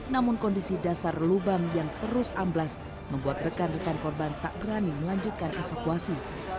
namun kondisi dasar lubang yang terus amblas membuat rekan rekan korban tak berani melanjutkan evakuasi